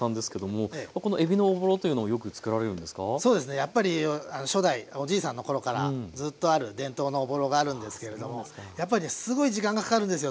やっぱり初代おじいさんの頃からずっとある伝統のおぼろがあるんですけれどもやっぱりねすごい時間がかかるんですよ